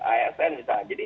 asn misalnya jadi